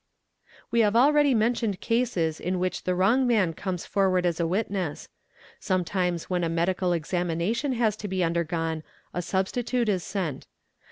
. We have already mentioned cases in which the wrong man comes am mee forward as a witness. Sometimes when a medical examination has to be undergone a substitute is sent.